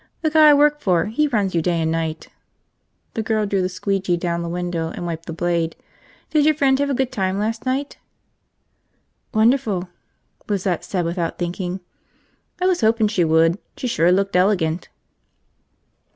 "The guy I work for, he runs you day and night." The girl drew the squeegee down the window and wiped the blade. "Did your friend have a good time last night?" "Wonderful," Lizette said without thinking. "I was hopin' she would. She sure looked elegant."